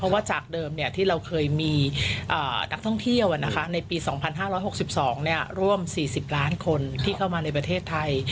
ว่าจากเดิมที่เราเคยมีนักท่องเที่ยวในปี๒๕๖๒ร่วม๔๐ล้านคนที่เข้ามาในประเทศไทย